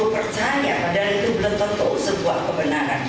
pernyataan pak sbe